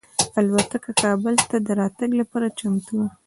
الوتکه کابل ته د راتګ لپاره چمتو وه.